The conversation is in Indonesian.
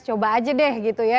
coba aja deh gitu ya